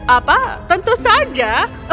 apa tentu saja